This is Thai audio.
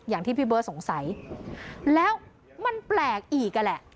อย่างที่พี่เบิร์ตสงสัยแล้วมันแปลกอีกอ่ะแหละ